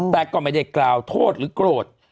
แต่ก็ไม่ได้กล่าวโทษหรือโกรธ